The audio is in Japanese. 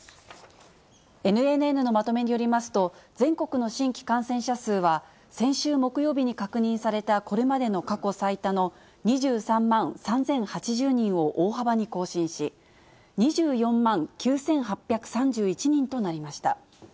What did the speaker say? ＮＮＮのまとめによりますと、全国の新規感染者数は先週木曜日に確認されたこれまでの過去最多の２３万３０８０人を大幅に更新し、２４万９８３１人となりました。